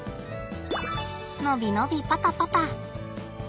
伸び伸びパタパタ。